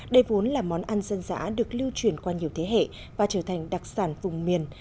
đây vốn là món ăn dân dã được lưu truyền qua nhiều thế hệ và trở thành đặc sản vùng miền